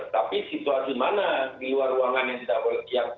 tapi situasi mana di luar ruangan yang tidak boleh siap